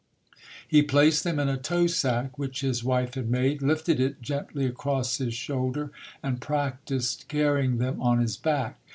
He placed them in a tow sack which his wife had made, lifted it gen tly across his shoulder and practiced carrying them on his back.